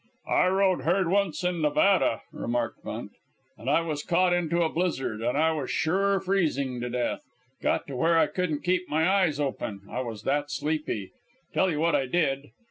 "I rode herd once in Nevada," remarked Bunt, "and I was caught into a blizzard, and I was sure freezing to death. Got to where I couldn't keep my eyes open, I was that sleepy. Tell you what I did.